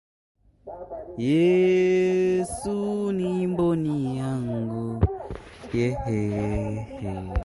However, it is not the most common type of inuksuk.